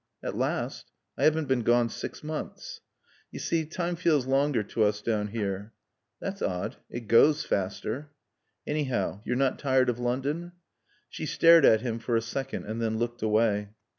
"At last? I haven't been gone six months." "You see, time feels longer to us down here." "That's odd. It goes faster." "Anyhow, you're not tired of London?" She stared at him for a second and then looked away.